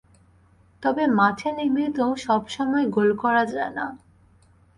তবে মাঠে নেমেই তো সব সময় গোল করা যায় না।